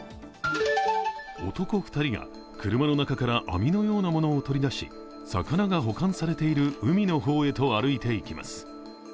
男２人が車の中から網のようなものを取り出し、魚が保管されている海の方へと歩いていきます。